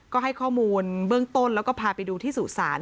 ก็ให้ข้อมูลเบื้องต้นแล้วก็พาไปดูที่สุสาน